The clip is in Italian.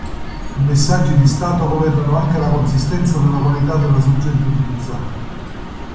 I messaggi di stato governano anche la consistenza della qualità della sorgente utilizzata.